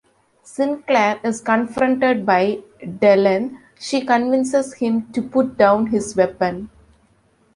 Sinclair is confronted by Delenn; she convinces him to put down his weapon.